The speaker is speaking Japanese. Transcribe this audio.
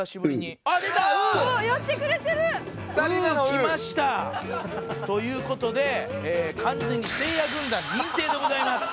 きました！という事で完全にせいや軍団認定でございます。